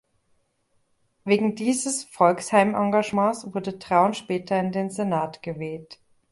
Wegen dieses Volksheim-Engagements wurde Traun später in den Senat gewählt.